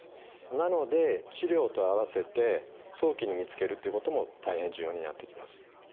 なので治療と併せて早期に見つけるということも大変重要になってきます。